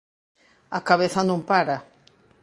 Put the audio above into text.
A cabeza non para!